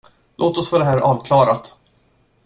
Låt oss få det här avklarat.